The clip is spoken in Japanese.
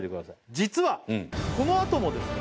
実はこのあともですね